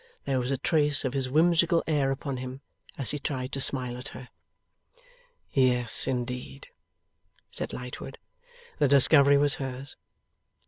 There was a trace of his whimsical air upon him, as he tried to smile at her. 'Yes indeed,' said Lightwood, 'the discovery was hers.